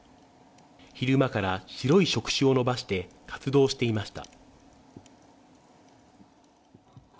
昼間から白い触手を伸ばして活動していました。